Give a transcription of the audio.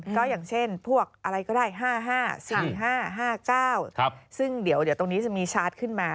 ก็อย่างเช่นพวกอะไรก็ได้๕๕๔๕๕๙ซึ่งเดี๋ยวตรงนี้จะมีชาร์จขึ้นมา